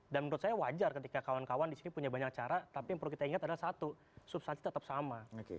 dan menurut saya wajar ketika kawan kawan di sini punya banyak cara tapi yang perlu kita ingat adalah satu substansi tetap sama